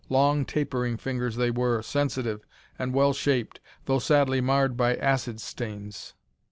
Long, tapering fingers they were, sensitive and well shaped, though sadly marred by acid stains.